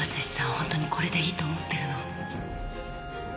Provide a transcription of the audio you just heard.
本当にこれでいいと思ってるの？